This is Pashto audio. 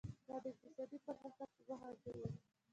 دا د اقتصادي پرمختګ په موخه ورکوي.